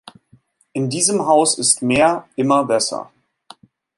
In diesem Haus ist mehr immer besser.